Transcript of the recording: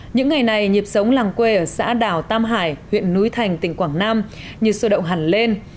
những ngày này nhịp sống làng quê ở xã đảo tam hải huyện núi thành tỉnh quảng nam như xôi động hẳn lên